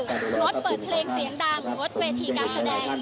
งดเปิดเพลงเสียงดังงดเวทีการแสดง